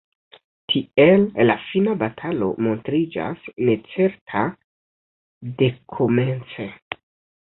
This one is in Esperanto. Tiel la fina batalo montriĝas necerta dekomence,